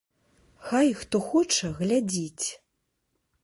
Хай, хто хоча, глядзіць.